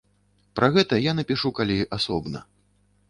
Пра гэта я напішу калі асобна.